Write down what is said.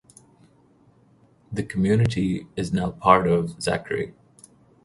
The community is now part of Zachary.